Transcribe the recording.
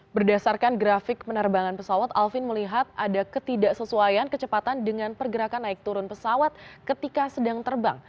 berdasarkan grafik penerbangan pesawat alvin melihat ada ketidaksesuaian kecepatan dengan pergerakan naik turun pesawat ketika sedang terbang